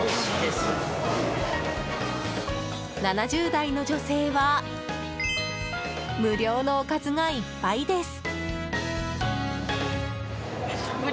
７０代の女性は無料のおかずがいっぱいです。